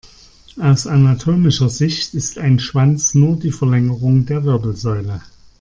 Aus anatomischer Sicht ist ein Schwanz nur die Verlängerung der Wirbelsäule.